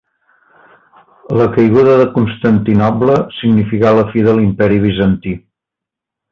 La caiguda de Constantinoble significà la fi de l'imperi Bizantí.